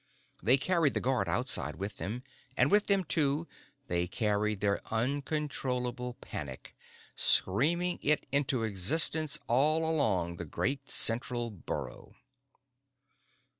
They carried the guard outside with them, and with them, too, they carried their uncontrollable panic, screaming it into existence all along the great central burrow.